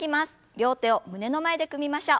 両手を胸の前で組みましょう。